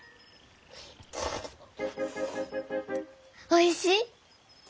おいしい？